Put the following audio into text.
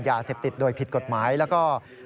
ยาเสพติดโดยผิดกฎหมายแล้วก็